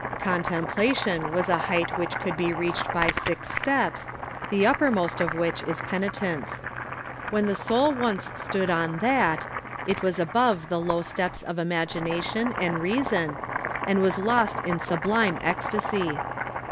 Contemplation was a height which could be reached by six steps, the uppermost of which is penitence. When the soul once stood on that, it was above the low steps of imagination and reason, and was lost in sub lime ecstasy.